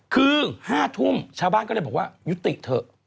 คือ๕ทุ่มชาวบ้านก็เลยบอกว่ายุติเถอะ